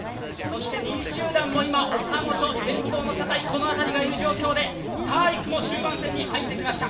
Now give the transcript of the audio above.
２位集団も岡本、デンソーの酒井がいる状況で１区も終盤戦に入ってきました。